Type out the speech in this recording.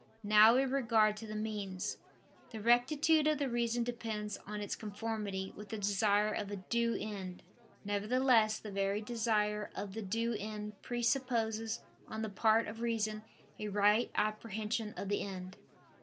Now in regard to the means, the rectitude of the reason depends on its conformity with the desire of a due end: nevertheless the very desire of the due end presupposes on the part of reason a right apprehension of the end.